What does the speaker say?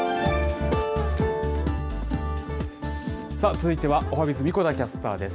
続いてはおはＢｉｚ、神子田キャスターです。